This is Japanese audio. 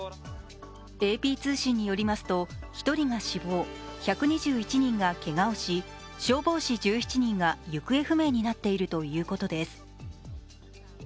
ＡＰ通信によりますと１人が死亡、１２１人がけがをし、消防士１７人が行方不明になっているということです。